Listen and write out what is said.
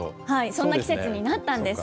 そんな季節になったんです。